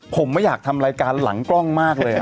ผมไม่อยากทำรายการหลังกล้องมากเลย